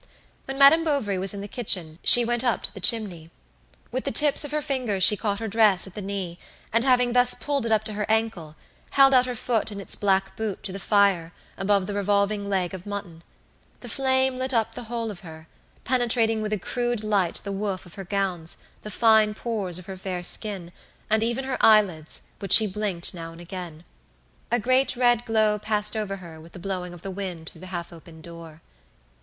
When Madame Bovary was in the kitchen she went up to the chimney. With the tips of her fingers she caught her dress at the knee, and having thus pulled it up to her ankle, held out her foot in its black boot to the fire above the revolving leg of mutton. The flame lit up the whole of her, penetrating with a crude light the woof of her gowns, the fine pores of her fair skin, and even her eyelids, which she blinked now and again. A great red glow passed over her with the blowing of the wind through the half open door.